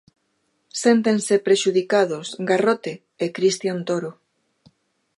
Séntense prexudicados Garrote e Cristian Toro.